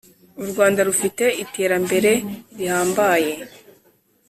uRwanda rufite iterambere rihambaye